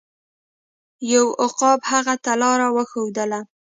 یو عقاب هغه ته لاره وښودله.